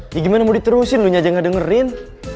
iya gimana mau diterusin lu nyaja gak dengerin